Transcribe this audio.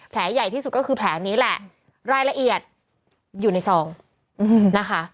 แผลใหญ่ที่สุดก็คือแผลนี้แหละรายละเอียดอยู่ในซองนะคะ